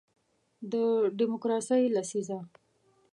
د دیموکراسۍ لسیزه